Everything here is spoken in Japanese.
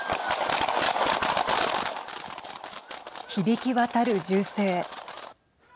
響き渡る銃声。